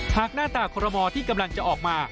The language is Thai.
หน้าตาคอรมอที่กำลังจะออกมา